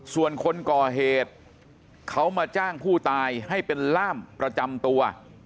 ส่วนคนก่อเหตุเขามาจ้างผู้ตายให้เป็นล่ามประจำตัว